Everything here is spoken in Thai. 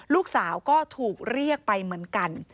ลูกสาวก็ถูกเรียกไปเหมือนกัน